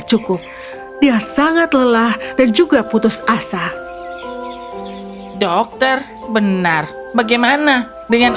haruskah aku menyisihkan ini untuk membayar seperseratus biaya sekolahku ini haruskah aku menyisihkan ini untuk membayar seperseratus biaya sekolahku